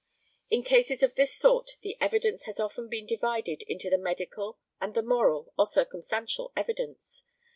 In cases of this sort the evidence has often been divided into the medical, and the moral, or circumstantial evidence.